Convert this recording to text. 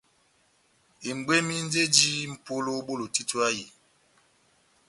Ebwemi yɔ́ndi eji mʼpolo ó bolo títo yá ehiyi.